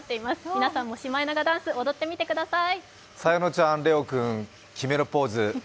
皆さんもシマエナガダンス踊ってみてください。